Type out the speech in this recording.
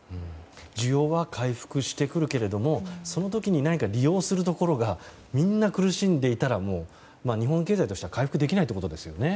需要は回復してくるけれどもその時に何か、利用するところがみんな苦しんでいたら日本経済としては回復できないということですよね。